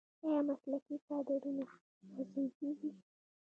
آیا مسلکي کادرونه روزل کیږي؟